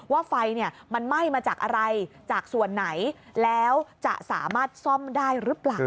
ว่าไฟมันไหม้มาจากอะไรจากส่วนไหนแล้วจะสามารถซ่อมได้หรือเปล่า